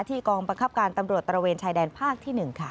กองบังคับการตำรวจตระเวนชายแดนภาคที่๑ค่ะ